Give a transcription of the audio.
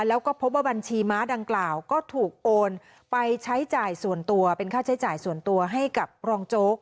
แล้วก็พบว่าบัญชีม้าดังกล่าวก็ถูกโอนไปใช้จ่ายส่วนตัวเป็นค่าใช้จ่ายส่วนตัวให้กับรองโจ๊ก